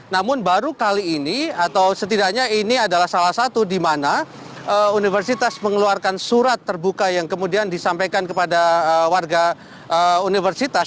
namun baru kali ini atau setidaknya ini adalah salah satu di mana universitas mengeluarkan surat terbuka yang kemudian disampaikan kepada warga universitas